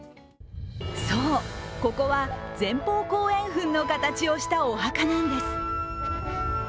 そう、ここは前方後円墳の形をしたお墓なんです。